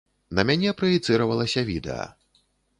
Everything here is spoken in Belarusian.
На мяне праецыравалася відэа.